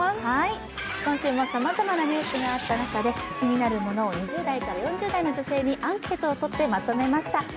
今週もさまざまなニュースがあった中で気になるものを２０代から４０代の女性にアンケートをとってまとめました。